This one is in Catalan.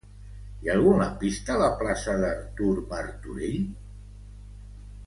Hi ha algun lampista a la plaça d'Artur Martorell?